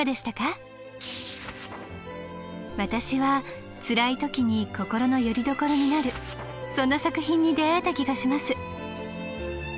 私はつらい時に心のよりどころになるそんな作品に出会えた気がします。